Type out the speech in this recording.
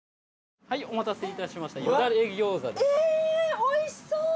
おいしそう！